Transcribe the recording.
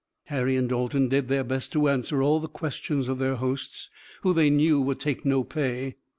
Harry and Dalton did their best to answer all the questions of their hosts, who they knew would take no pay.